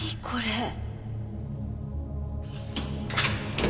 これ。